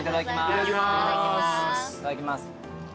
いただきます。